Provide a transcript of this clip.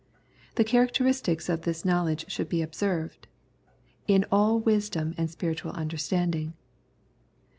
The characteristics of this knowledge should be observed :" In all wisdom and spiritual understanding."